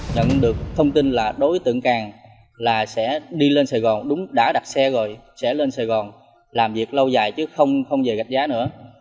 nhận được thông tin là đối tượng càng sẽ đi lên sài gòn đúng đã đặt xe rồi sẽ lên sài gòn làm việc lâu dài chứ không về gạch giá nữa